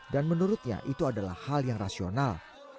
dan menurutnya itu adalah hal yang rasional